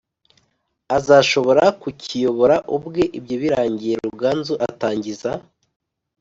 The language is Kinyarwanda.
Azashobora kukiyobora ubwe ibyo birangiye ruganzu atangiza